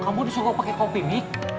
kamu disukai pakai kopimik